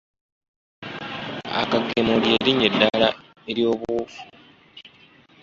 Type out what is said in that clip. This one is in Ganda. Akagemo ly'erinnya eddala eryobuwufu.